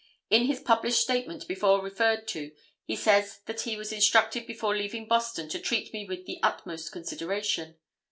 In his published statement before referred to, he says that he was instructed before leaving Boston to treat me with the 'utmost consideration.